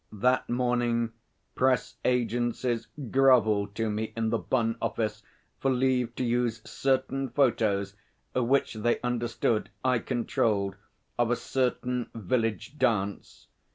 That morning, Press agencies grovelled to me in The Bun office for leave to use certain photos, which, they understood, I controlled, of a certain village dance.